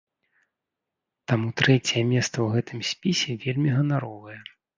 Таму трэцяе месца ў гэтым спісе вельмі ганаровае.